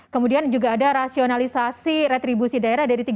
kemudian juga ada rasionalisasi retribusi daerah dari tiga puluh tiga jenis